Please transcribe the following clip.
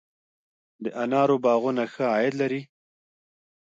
د انارو باغونه ښه عاید لري؟